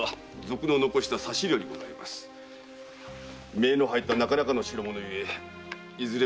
銘の入ったなかなかの代物ゆえいずれ